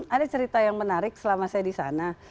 ada cerita yang menarik selama saya di sana